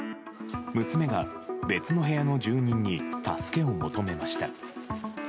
娘が別の部屋の住人に助けを求めました。